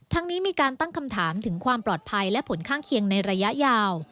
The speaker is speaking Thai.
นี้มีการตั้งคำถามถึงความปลอดภัยและผลข้างเคียงในระยะยาว